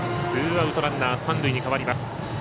ツーアウト、ランナー、三塁に変わります。